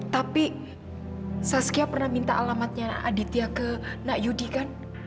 tapi saskia pernah minta alamatnya aditya ke nak yudi kan